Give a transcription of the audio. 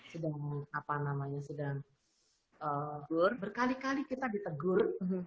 sedang apa namanya sedang berkali kali kita ditegur